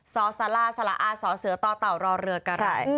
ซอสล่าซล่าอาซอเสือต้อเต่ารอเรือกะระ